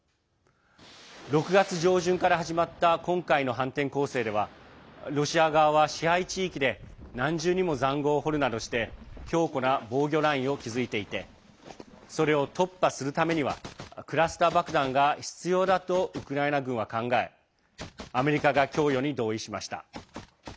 ６月上旬から始まった今回の反転攻勢ではロシア側は支配地域で何重にもざんごうを掘るなどして強固な防御ラインを築いていてそれを突破するためにはクラスター爆弾が必要だとウクライナ軍は考えアメリカが供与に同意しました。